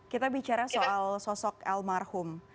kita bicara soal sosok almarhum